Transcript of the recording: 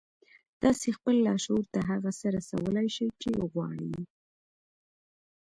تاسې خپل لاشعور ته هغه څه رسولای شئ چې غواړئ